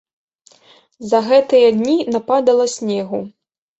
За гэтыя дні нападала снегу.